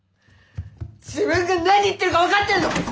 自分が何言ってるか分かってるの！？